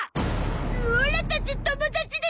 オラたち友達でしょ？